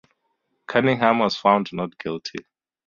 Cunningham was found not guilty.